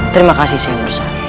terima kasih syekh mursa